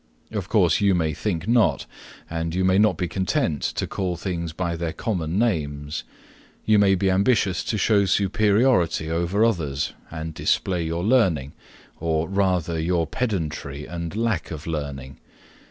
Of course you may think not, and you may not be content to call things by their common names; you may be ambitious to show superiority over others and display your learning or, rather, your pedantry and lack of learning.